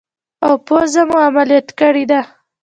ایا پوزه مو عملیات کړې ده؟